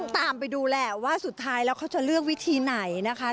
ตามไปดูแหละว่าสุดท้ายแล้วเขาจะเลือกวิธีไหนนะคะ